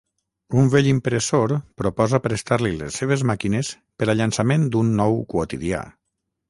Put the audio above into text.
Un vell impressor proposa prestar-li les seves màquines per a llançament d’un nou quotidià.